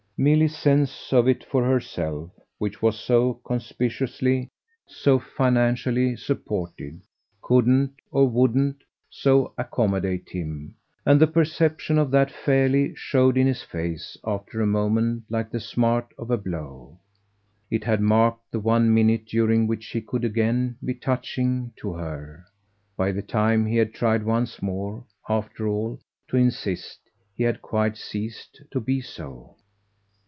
Milly's sense of it for herself, which was so conspicuously, so financially supported, couldn't, or wouldn't, so accommodate him, and the perception of that fairly showed in his face after a moment like the smart of a blow. It had marked the one minute during which he could again be touching to her. By the time he had tried once more, after all, to insist, he had quite ceased to be so.